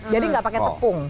jadi nggak pakai tepung